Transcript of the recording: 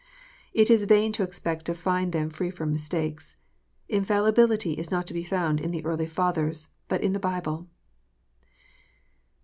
It is vain to expect to find them free from mistakes. Infallibility is not to be found in the early fathers, but in the Bible.